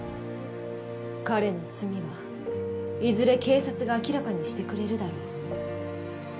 彼の罪はいずれ警察が明らかにしてくれるだろう。